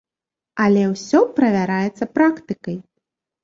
Але ўсё правяраецца практыкай.